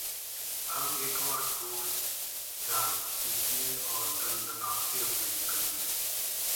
अब एक बार टोल चार्ज दीजिए और दनदनाते हुए निकलिए